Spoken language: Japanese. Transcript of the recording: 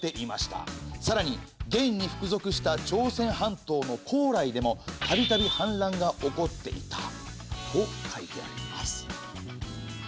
さらに元に服属した朝鮮半島の高麗でもたびたび反乱が起こっていたと書いてあります。